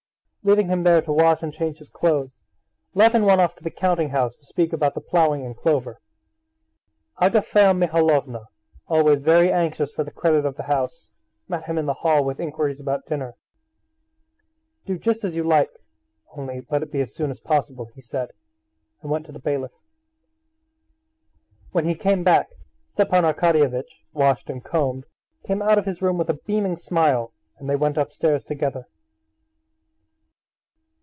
Leaving him there to wash and change his clothes, Levin went off to the counting house to speak about the ploughing and clover. Agafea Mihalovna, always very anxious for the credit of the house, met him in the hall with inquiries about dinner. "Do just as you like, only let it be as soon as possible," he said, and went to the bailiff. When he came back, Stepan Arkadyevitch, washed and combed, came out of his room with a beaming smile, and they went upstairs together.